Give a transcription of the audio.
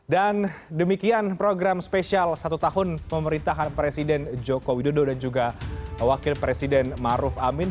dan demikian program spesial satu tahun pemerintahan presiden joko widodo dan juga wakil presiden ma'ruf amin